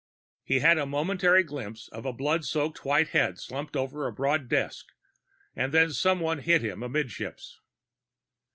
He had a momentary glimpse of a blood soaked white head slumped over a broad desk and then someone hit him amidships.